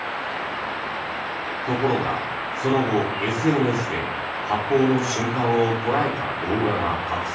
ところが、その後ＳＮＳで発砲の瞬間を捉えた動画が拡散。